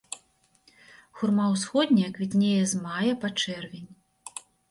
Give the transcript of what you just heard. Хурма ўсходняя квітнее з мая па чэрвень.